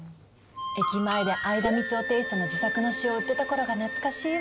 駅前で相田みつをテーストの自作の詩を売ってたころが懐かしいわ。